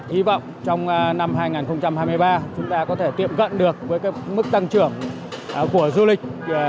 hy vọng trong năm hai nghìn hai mươi ba chúng ta có thể tiệm cận được với mức tăng trưởng của du lịch